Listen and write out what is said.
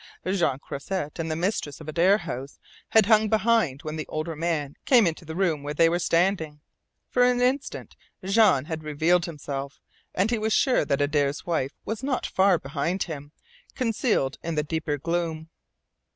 Jean Croisset and the mistress of Adare House had hung behind when the older man came into the room where they were standing. For an instant Jean had revealed himself, and he was sure that Adare's wife was not far behind him, concealed in the deeper gloom.